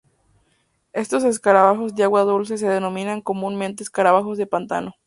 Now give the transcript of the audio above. Estos escarabajos de agua dulce se denominan comúnmente escarabajos de pantano.